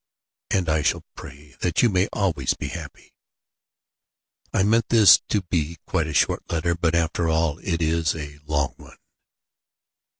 And I shall pray that you may always be happy. "I meant this to be quite a short letter, but after all it is a long one!